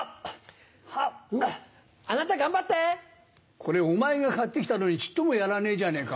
これお前が買って来たのにちっともやらねえじゃねぇか。